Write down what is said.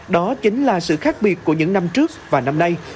đó chính là sự khác biệt của những năm trước và năm nay